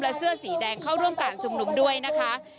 และเสื้อสีแดงเข้าร่วมการชุมนุมด้วยนะคะ